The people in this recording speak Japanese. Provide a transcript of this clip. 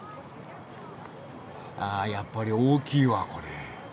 あやっぱり大きいわこれ。